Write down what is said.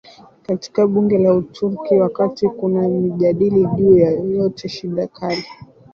katika bunge la Uturuki wakati kuna mijadala juu ya yoyote shida kali